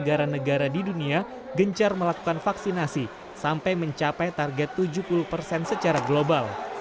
negara negara di dunia gencar melakukan vaksinasi sampai mencapai target tujuh puluh persen secara global